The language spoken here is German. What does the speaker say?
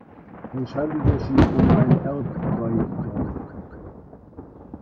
Es handelte sich um ein Erbfreidorf.